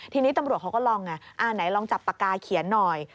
ทีนี้ตำรวจเขาก็ลองไงอ่าไหนลองจับปากกาเขียนหน่อย